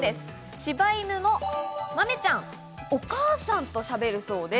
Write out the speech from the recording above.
柴犬のマメちゃん、お母さんとしゃべるそうです。